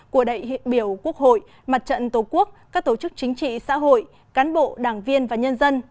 của đại biểu quốc hội mặt trận tổ quốc các tổ chức chính trị xã hội cán bộ đảng viên và nhân dân